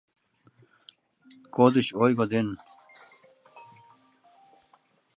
Кодыч ойго ден».